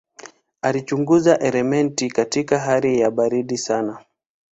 Alichunguza elementi katika hali ya baridi sana.